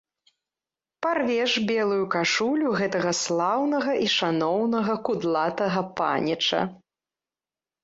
Парвеш белую кашулю гэтага слаўнага і шаноўнага кудлатага паніча!